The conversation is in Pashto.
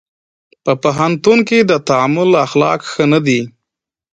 په پوهنتونونو کې د تعامل اخلاق ښه نه دي.